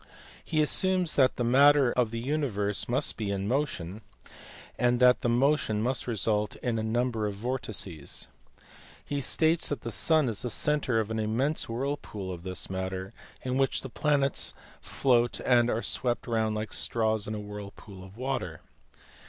He assumes that the matter of the universe must be in motion, and that the motion must result in a number of vortices. He states that the sun is the centre of an immense whirlpool of this matter, in which the planets float and are swept round like straws in a whirlpool of water.